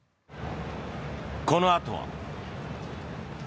このあとは。